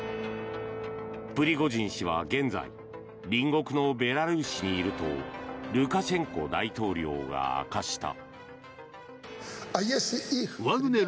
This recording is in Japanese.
プリゴジン氏は現在隣国のベラルーシにいるとルカシェンコ大統領が明かした。